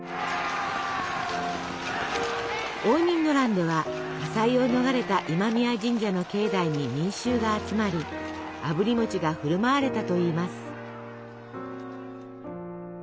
応仁の乱では火災を逃れた今宮神社の境内に民衆が集まりあぶり餅が振る舞われたといいます。